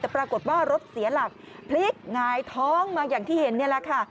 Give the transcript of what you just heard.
แต่ปรากฏว่ารถเสียหลักพลิกหงายท้องมาอย่างที่เห็นนี่แหละค่ะ